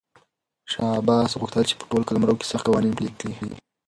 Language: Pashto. شاه عباس غوښتل چې په ټول قلمرو کې سخت قوانین پلي کړي.